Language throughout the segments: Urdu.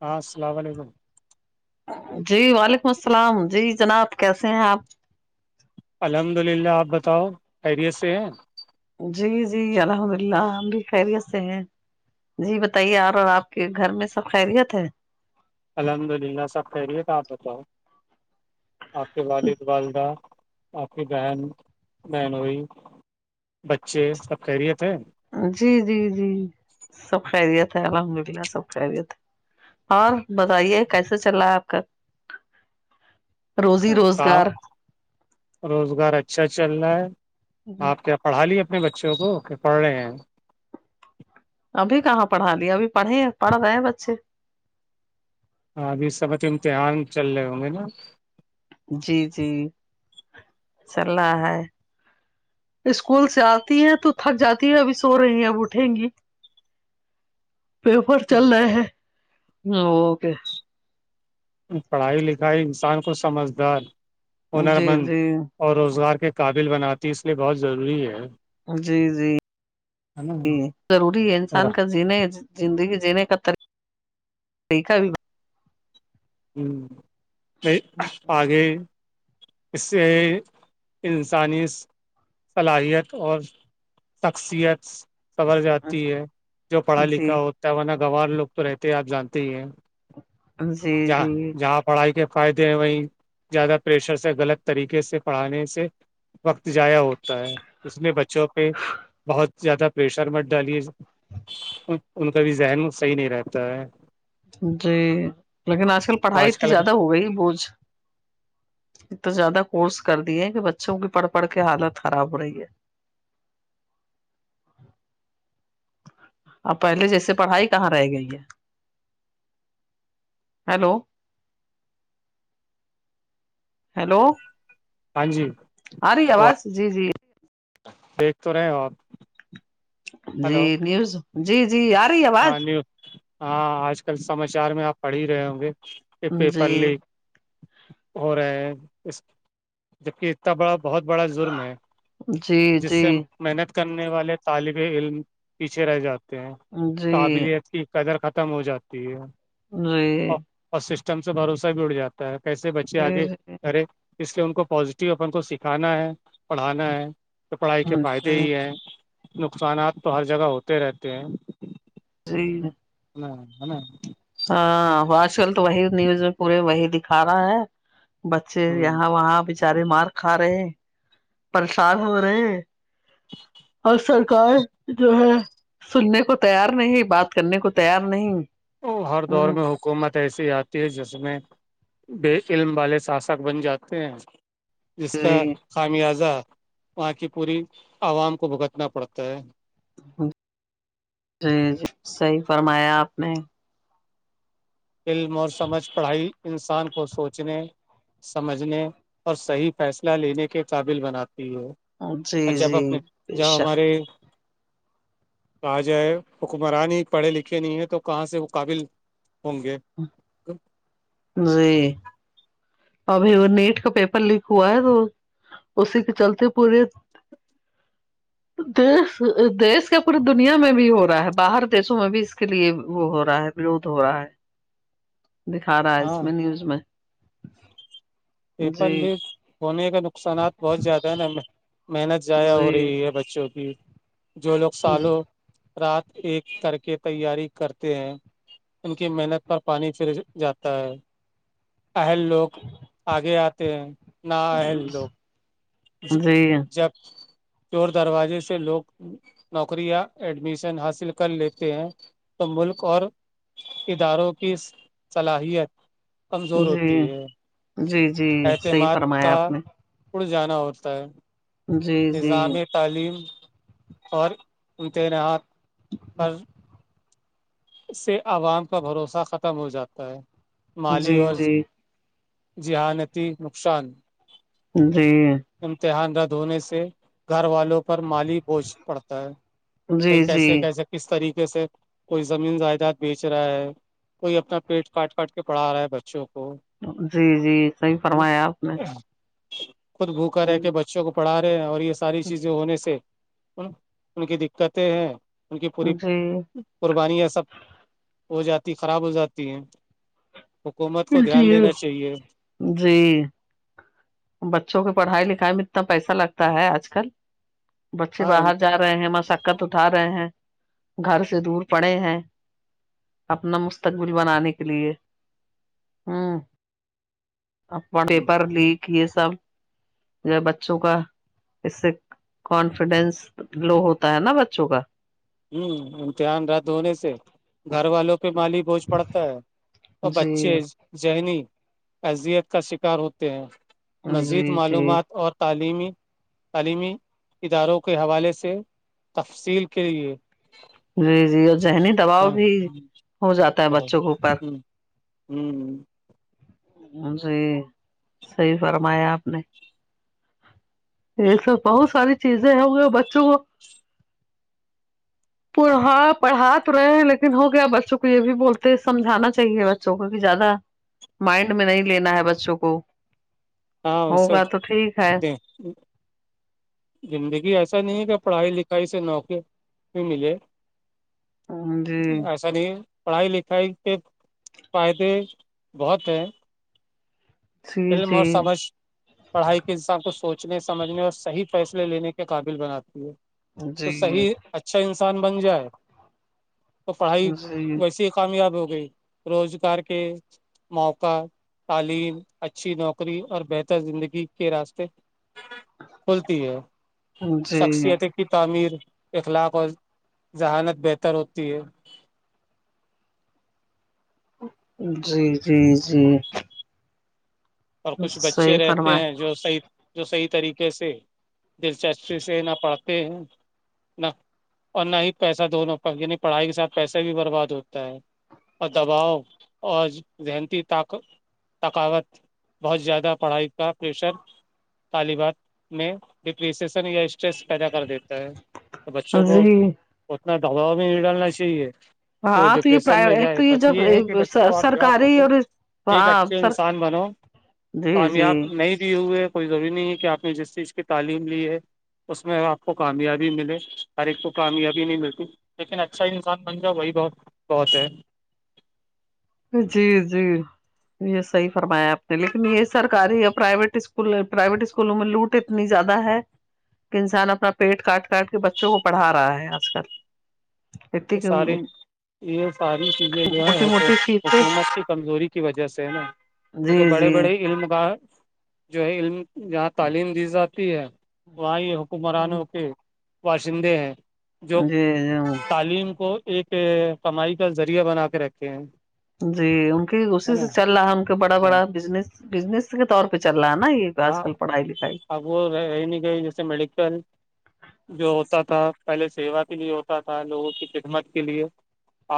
ہاں السلام علیکم جی وعلیکم السلام جی جناب کیسے ہیں آپ الحمد للہ آپ بتاؤ خیریت سے ہیں جی جی الحمد اللہ ہم بھی خیریت سے ہیں جی بتائیے اور آپ کے گھر میں سب خیریت ہے الحمد للہ سب خیریت آپ بتاؤ آپ کے والد والدہ آپ کی بہن بہنوئ بچے سب خیریت ہے جی جی جی سب خیریت ہے الحمد للہ سب خیریت ہے اور بتائیے کیسے چل رہا ہے آپ کا [inaudible] روزی کام روزگار روزگار اچھا چل رہا ہے آپ کےابو پڑھا لے اپنے بچوں کو کہ پڑھ رہے ہیں ابھی کہاں پڑھا لیا ابھی پڑھے ہیں پڑھ رہے ہیں بچے ابھی سب بچے امتحان چل رہے ہوں گے نا جی جی چل رہاہے اسکول سے آتی ہے تو تھک جاتی ہے ابھی سو رہی ہیں اب اٹھیں گی [inaudible] پیپر چل رہے ہیں اوکے پڑھائی لکھائی انسان کو سمجھدار ہنر جی مند جی اور روزگار کے قابل بناتی اس لیے بہت ضروری ہے جی جی نا جی ضروری ہے اور انسان کا جینے زندگی جینے کا طریقہ بھی ہوں نہیں آگے اس سے انسانی صلاحیت اور شخصیت سور جاتتی ہے جو پڑھا جی لکھا ہوتا ہے نہ گوار لوگ تو رہتے ہیں آپ جانتے ہی ہیں جی ج جی جہ پڑھائی کے فائدے ہیں وہیں زیادہ پریشر سے غلط طریقے سے پڑھانے سے وقت جضایا ہوتا ہے اس میں بچوں پہ بہت زیادہ پریشر مت ڈالے ان کا بھی ذہن صحیح نہیں رہتا ہے جی لیکن آج کل پڑھائی آج اتنی کل زیادہ ہو گئی بوھ ا تو زیادہ کورس کر دیے ہیں کہ بچوں کی پڑھ پڑھ کے حالت خراب ہو رہی ہے اب پہلے جیسے پڑھائی کہاں رہ گئی ہے ہیلو ہیلو ہاں جی آ رہی آواز جی جی دیکھ تو رہے ہو آپ جی ہلو نیوز جی جی آ رہی ہےب ہاں نیوز ہاں آج کل سماچار میں آپ پڑھ ہی رہے ہوں گے کہ جی پیپر لیک ہو رہے ہیں اس جب کہہ اتنا بڑا بہت بڑا جظرم ہے جی جس جی سے ہم جی محنت کرنے والے طالب علم پیچھے رہ جاتے ہیں جی قابلیت کی قدر ختم ہو جاتی ہے اور جی اور سسٹم سے بھروسہ بھی اڑ جاتا ہے کیسے بچے جی آگے جی کرے اس لیے ان کو پازیٹیو اپ ان کو سکھانا ہے پڑھانا ہے تو پڑھائی کے فائدے ہی ہیں نقصانات تو ہر جگہ ہوتے رہتے ہیں جی ہ ہےا [unintelligible] ہاں وہ آج کل تو وہی نیوز میں پورے وہی دکھا رہا ہے بچے ہ یہاں وہاں بیچارے مار کھا رہے پریشان ہو رہے ہیں اور سرکار جو ہے سننے کو تیار نہیں بات کرنے کو تیار نہیں وہ ہر دور ہ میں ہو حکومت ایسی آتی ہے جس میں بے علم والے شاسک بن جاتے ہیں جس کا جی خامیازہ وہاں کی پوری عوام کو بھگتنا پڑتا ہے جی جی صحیح فرمایا آپ نے علم اور سمجھ پڑھائی انسان کو سوچنے سمجھنے اور صحیح فیصلہ لینے کے قابل بناتی ہو جی ا جب اپنے جی بے جاؤ شک ہمارے کہ جائے حکمرانی ہی پڑھے لکھے نہیں ہیں تو کہاں سے وہ قابل ہموں گ جی ابھی وہ نیٹ کا پیپر لیک ہوا ہے تو اسی کے چلتے پورے [inaudible] دیش کا پوری دنیا میں بھی ہو رہا ہے باہر دیشوں میں بھی اس کے لیے وہ ہو رہا ہے ورود ہو رہا ہے [inaudible] دکھا رہا ہے اس ہاں میں نیوز میں پیپر جی بھی ہونے کے نقصانات بہت زیادہ ہیں نا ہمیں محنت ضائع ہو رہی جی ہے بچوں کی جو لوگ سالوں رات ایک کر کے تیاری کرتے ہیں ان کی محنت پر پانی پھر جاتا ہے اہل لوگ آگے آتے ہیں نہ آئےل لوگ جی جب چور دروازے سے لوگ نوکری یا ایڈمیشن حاصل کر لیتے ہیں تو ملک اور اداروں کی صلاحیت کمزور جی ہوتی ہے جی جی صحیح فرمایا آپ نے پڑ جانا ہوتا ہے جی جی نظام تعلیم اور امتناات پر سے عوام کا بھروسہ ختم ہو جاتا ہے مالی جی اور جی ذہانتی نقصان جی امتحان رد ہونے سے گھر والوں کو پر مالی بوجھ پڑتا ہے کہئی جی کیسے کیسے کس طریقے سے کوئی زمین جائیداد بیچ رہا ہے کوئی اپنا پیٹ کاٹ کاٹ کے پڑھا رہا ہے بچوں کو جی جی صحیح ہے نا فرمایا آپ نے خود بھوکا ہے کہ بچوں کو پڑھا رہے ہیں اور یہ ساری چیزیں ہونے سے ان کی دقتیں ہیں ان کی پوری جی بانی یہ سب ہو جاتی خراب ہو جاتی ہے حکومت کو دھیان جی دینا چاہیے جی بچوں کے پڑھائی لکھائی میں اتنا پیسہ لگتا ہے آج کل بچے ہاں باہر جا رہ رہے ہیں مسقت اٹھا رہے ہیں گھر سے دور پڑے ہیں اپنا مستقبل بنانے کے لیے ہوں اپنا پیپر لیک یہ سب جو بچوں کا اس سے کانفیڈینس لو ہوتا ہے نا بچوں کا ہوں امتحان رد ہونے سے گھر والوں پہ مالی بوجھ پڑتا ہے اور بچے جی ذہنی اذیت کا شکار ہوتے ہیں جی مزید جی معلومات جی اور تعلیمی تعلیمی اداروں کے حوالے سے تفصیل کے لیے [unintelligible] جی جی اور ذہنی دباؤ ہاں بھی ہو جاتا ہے بچوں کے اوپر ہوں جی صحیح فرمایا آپ نے یہ سب بہت ساری چیزیں ہوں گی بچوں کو پڑھا پڑھا تو رہے ہیں لیکن ہو گیا بچوں کو یہ بھی بولتے سمجھانا چاہیے بچوں کو کہ زیادہ مائنڈ میں نہیں لینا ہے بچوں کو ہاں سب ہوگا تو ٹھیک ہے د زندگی ایسا نہیں ہے کہ پڑھائی لکھائی سے نوکری بھی ملے جی ایسا نہیں ہے پڑھائی لکھائی کے فائدے بہت ہیں جی علم اور جی سمجھ پڑھائی کے انسان کو سوچنے سمجھنے اور صحیح فیصلے لینے کے قابل بناتی ہے تو جی صحیح اچھا انسان بن جائے تو پڑھائی جی ویسیے کامیاب ہو گئی روزگار کے موقع تعلیم [unintelligible] اچھی نوکری اور بہتر زندگی کے راستے کھلتی ہے جی شخصیت کی تعمیر اخلاق اور ذہانت بہتر ہوتی ہے جی جی جی اور کچھ بچے صحیح رہتے ہیں فرمائے جو صحی جو صحیح طریقے سے دلچسپی سے نہ پڑھتے ہیں نہ اور نہ ہی پیسہ دونوں پر یعنی پڑھائی کے ساتھ پیسہ بھی برباد ہوتا ہے اور دباؤ اور ذہنتی طق ثقاوت بہت زیادہ پڑھائی کا پریشر طالبات میں ڈپریسیسن یا اسٹریس پیدا کر دیتا ہے تو بچوں کو جی اتنا دباؤ بھی نہیں ڈالنا چاہیے کہ وہ ہاں تو یہ ڈپریشن میں پرائیویٹ ایک جائے تو بس یہ ہے کہ جب بچوں آپ جاؤ سرکاری پڑھو اور ایک ہاں اچھے سر انسان بنو جی جی کامیاب نہیں دیے ہوئے ہے کوئی ضروری نہیں ہے کہ آپ نے جس چیز کی تعلیم لی ہے اس میں آپ کو کامیابی ملے ہر ایک کو کامیابی نہیں ملتی لیکن اچھا انسان بن جاؤ وہی بہت بہت ہے جی جی یہ صیح فرمایا آپ نے لیکن یہ سرکاری اوریا پرائیویٹ اسکول پرائیویٹ اسکولوں میں لوٹ اتنی زیادہ ہے انسان اپنا پیٹ کاٹ کاٹ کے بچوں کو پڑھا رہا ہے آج کل یہ اتنی ساری یہ ساری چیزیں جو ہے موٹی وہ تو موٹی فیسیں حکومت کی کمزوری کی وجہ سے نا اس جی بڑے جی بڑے علم کا جو ہے علم جہاں تعلیم دی جاتی ہے وہاں یہ ک مرانوں کے باشندے ہیں جو جی تعلیم کو ایک کمائی کا ذریعہ بنا کے رکھے ہیں جی ان کی ہے اسی نا سے چل رہا ہے ان کے بڑا ہاں بڑا بزنس بزنس کے طور پہ چل رہا ہے نا یہ آج ہاں کل پڑھائی لکھائی اب وہ رہی نہیں گئی جیسے میڈیکل جو ہوتا تھا پہلے سیوا کے لیے ہوتا تھا لوگوں کی خدمت کے لیے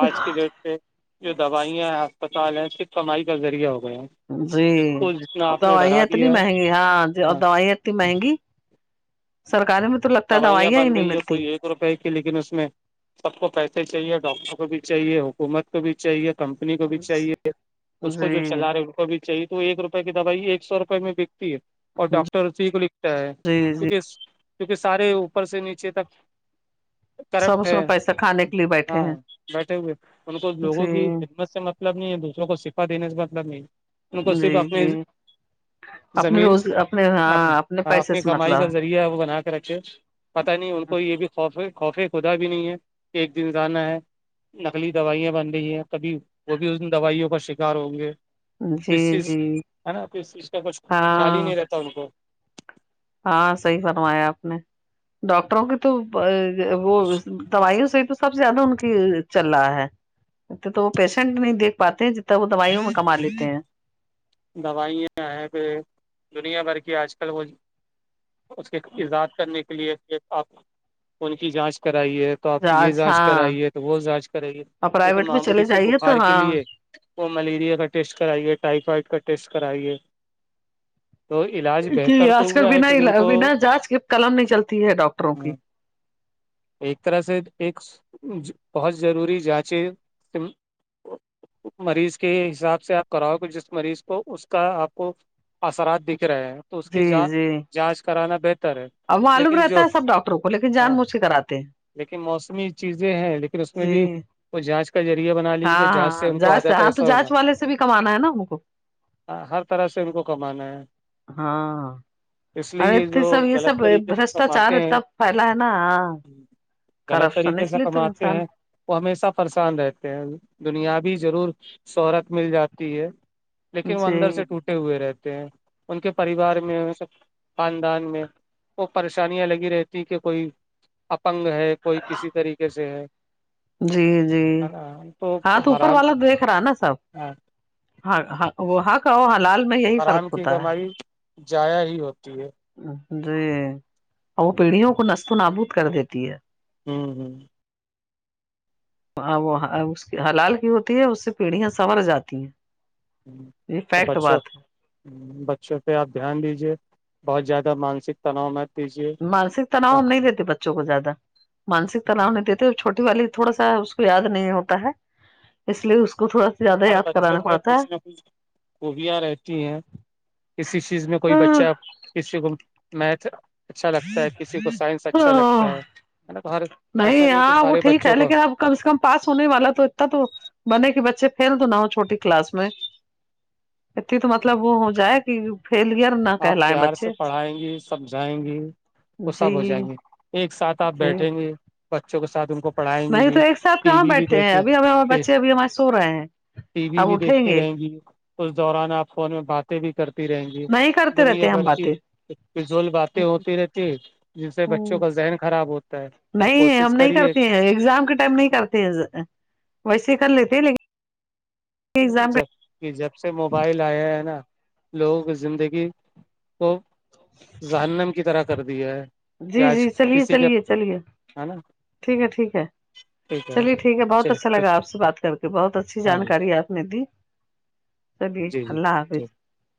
آج کی ڈیٹ پہ جو دوائیاں ہیں اسسپتال ہیں صرف کمائی کا ذریعہ ہو گئے ہیں جی جس کو جتنا آپ نے دوائی ڈرا اتنی دیا مہنگی ہاں اور ہے دوائی اتنی مہنگی سرکاراری میں تو لگتا ہے دوائیاں ہی بن نہیں رہی ہے ملتی کوئی ایک روپئے کی لیکن اس میں سب کو پیسے چاہیے ڈاکٹر کو بھی چاہیے حکومت کو بھی چاہیے کمپنی کو بھی چاہیے اس کو جو جی چلا رہے ان کو بھی چاہی تو ایک روپے کی دوائی ایک سو روپے میں بکتی ہے اور ڈاکٹر اسی کو لکھتا ہے جی جی کیونکہ کیونکہ سارے اوپر سے نیچے تک سب کرپٹ اس میں ہے پیسہ کھانے کے لیے بیٹھے ہاں ہیں بیٹھے ہوئے ان کو لوگوں جی کی خدمت سے مطل مطلب نہیں ہے دوسروں کو صفا دینے سے مطلب نہیں ہے ان کو صرف جی اپنے جی اپنے زمین روز اپنے ہاں اپنے پیسے اپنی سے کمائی مطلب کا ذریعہ ہے وہ بنا کے رکھے پتہ نہیں ان کو یہ بھی خوفے خوفے خدا بھی نہیں ہے کہ ایک دن جانا ہے نقلی دوائیاں بن رہی ہیں تبھی وہ بھی ان دوائیوں کا شکار ہوں گے ہے ک جی چیز جی ہے نا ک چیز کا کچھ خیال ہی ہاں نہیں رہتا ان کو ہاں صحیح فرمایا آپ نے ڈاکٹروں کی تو وہ دوائیوں سے تو سب زیادہ ان کی چل رہا ہے ا تو وہ پیشنٹ نہیںیکھ پاتے ہیں جتنا وہ دوائیوں میں کما لیتے ہیں دوائیاں آ پہ دنیا بھر کی آج کل وہ اس کے ایجاد کرنے کے لیے آپ انون کی جانچ کرائیے تو آپ یہ آج جانچ ہاں کرائیے تو وہ جانچ کرائیے اور لن پرائیویٹ میں معمولی چلے سے جائیے تو بخار کے ہاں لیے وہ ملیریا کا ٹیسٹ کرائیے ٹائیفائڈ کا ٹیسٹ کرائیے تو علاج کہ بہتر تو آج کل ہوا ہے بنا کیونکہ ان کو بنا جانچ کے قلم نہیں چلتی ہے ڈاکٹروں کی ایک طرح سے ایک بہت ضروری جانچے مریض کے حساب سے آپ کراؤ گے جس مریض کو اس کا آپ کو اثرات دکھ رہے ہیں تو اس جی کی جی جانچ کرانا بہتر ہے اب معلوم لیکن رہتا جو ہے سب ڈاکٹروں کو لیکن ہاں جان مجچھ سے کراتے ہیں لیکن موسمی چیزیں ہیں لیکن اس میں جی بھی وہ جانچ کا ذریعہ بنا لی کہ جانچ سے ہاں ان کو جانچ آدھا ہاں تو پیسہ ملا جانچ والے سے بھی کمانا ہے نا ہم کو ہاں ہر طرح سے ان کو کمانا ہے ہاں اس لیے یہ جو ارے سب غلط سب طریقے سے بشٹاچار کماتے ہیں ہے پھیلا ہے نا غلط کرپشن طریقے اس سے لیے تو کماتے انسان ہیں وہ ہمیشہ پریشان رہتے ہیں دنیا بھیی ضرور شہرت مل جاتی ہے لیکن وہ جی اندر سے ٹوٹے ہوئے رہتے ہیں ان کے پریوار میں سب خاندان میں وہ پریشانیاں لگی رہتی کہ کوئی اپنگ ہے کوئی کسی طریقے سے ہے جی جی ہے نا ہاں تو اوپر حرام والا دیکھ رہا نا سب ہاں ہاں وہ ہاں کہ ہاں لال میں یہی فرق حرام کی ہوتا ہے کمائی جایا ہی ہوتی ہے جی اور وہ پیڑھیوں کو نستو نابوود کر دیتی ہے ہوں ہوں وہ اس کی حلال کی ہوتی ہے اس سے پیڑیاں سنمر جاتی ہیں یہ تو فیکٹ بچو بات ہے بچوں پہ آپ دھیان دیجیے بہت زیادہ مانسک تناؤ میں دیجیے مانسک تناؤ ہم نہیں دیتے بچوں کو زیادہ مانسک تناؤ نہیں دیتے چھوٹی والی تھوڑا سا اس کو یاد نہیں ہوتا ہے اس لیے اس کو تھوڑا زیادہ ہر یاد بچوں کرانا میں پڑتا ہے کچھ نہ کچھ خوبیاں رہتی ہیں کسی چیز میں کوئی بچہ کسی کو میتھ اچھا لگتا ہے کسی کو سائنس اچھا لگتا ہے نا تو ہر ایسا نہیں ہے کہ ہاں وہ سارے ٹھیک بچوں ہے کو لیکن اب کم سے کم پاس ہونے والا تو اتنا تو بنے کہ بچے فھیل تو نہ ہو چھوٹی کلاس میں اتنی تو مطلب وہ ہو جائے کہ فیلئر نہ آپ کہلائے پیار سے بچے پڑھائیں گی سمجھائیں گی وہ سب ہو جی جائیں گی ایک ساتھ آپ جی بیٹھیں گے بچوں کے ساتھ ان کو پڑھائیں گے نہیں تو بھی ایک ساتھ ٹی کہاں وی بھی بیٹھتے ہیں دیکھیں ابھی ہمیں ہمارے بچے ابھی ہمارے سو رہے ہیں ٹی وی اب بھی اٹھیں دیکھتی گے رہیں گی اس دوران آپ فون میں باتیں بھی کرتی رہیں گی نہیں کرتے دنیا رہتے ہم بھر کی باتیں فضول باتیں ہوتی رہتی جن سے بچوں کا ذہن خراب ہوتا ہے تو نہیں ہم کوشش نہیں کریے کرتے ہیں ایگزام کے ٹائم نہیں کرتے ہیں ویسے کر لیتے لیکن ایگزام کے جب جب سے موبائل آیا ہے نا لوگوں کی زندگی کو ظہنم کی طرح کر دیا ہے جی کہ جی آج چلیے کسی کے چلیے چلیے ہے نا ٹھیک ہے ٹھیک ہے چلیے ٹھیک ہے بہت اچھا چلیے لگا آپ سے بات کر کے بہت اچھی ہاں جی جانکاری آپ نے دی چلیے جی اللہ جی حافظ